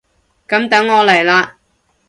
噉等我嚟喇！